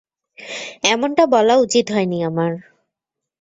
এমনটা বলা উচিত হয়নি আমার।